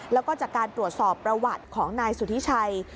แล้วก็จากการตรวจสอบประวัติของนายสุธิชัย